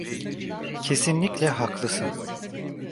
Kesinlikle haklısın.